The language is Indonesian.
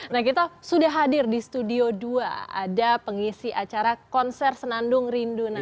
nah kita sudah hadir di studio dua ada pengisi acara konser senandung rindu nanti